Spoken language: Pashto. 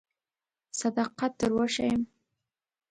صداقت در وښیم.